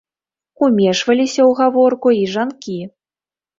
Умешваліся ў гаворку і жанкі.